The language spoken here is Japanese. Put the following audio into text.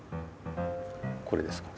これですか？